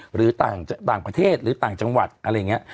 หรือต่างประเทศหรือต่างจังหวัดอะไรอย่างนี้